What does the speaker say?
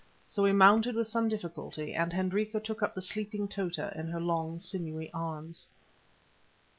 So we mounted with some difficulty, and Hendrika took up the sleeping Tota in her long, sinewy arms.